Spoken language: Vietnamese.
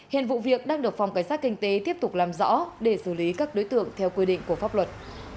hiện vụ việc đang được phòng cảnh sát kinh tế tiếp tục làm rõ để xử lý các đối tượng theo quy định của pháp luật